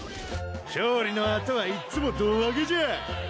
勝利の後はいっつも胴上げじゃ。